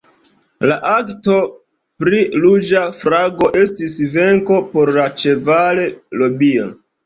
La "Akto pri ruĝa flago" estis venko por la ĉeval-lobio.